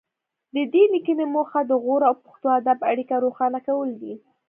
د دې لیکنې موخه د غور او پښتو ادب اړیکه روښانه کول دي